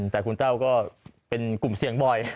แต่คุณแต้วก็เป็นกลุ่มเสี่ยงบ่อย